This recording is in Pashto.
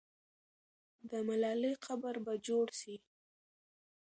د ملالۍ قبر به جوړ سي.